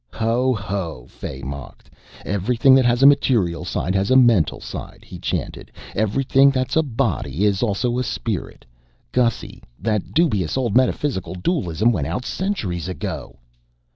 "Ho, ho!" Fay mocked. "Everything that has a material side has a mental side," he chanted. "Everything that's a body is also a spirit. Gussy, that dubious old metaphysical dualism went out centuries ago."